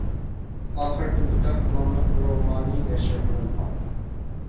«ئاخىرقى نىكاھ» ناملىق رومانى نەشر قىلىنغان.